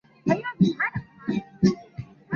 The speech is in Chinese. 我就上网读资料